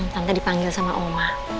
tante dipanggil sama oma